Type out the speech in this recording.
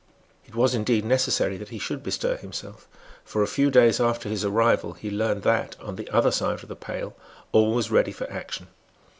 It was indeed necessary that he should bestir himself; for, a few days after his arrival, he learned that, on the other side of the Pale, all was ready for action.